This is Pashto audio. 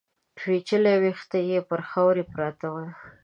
پيچلي ويښته يې پر خاورو پراته ول.